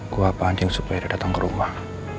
gue pancing supaya dia datang ke rumah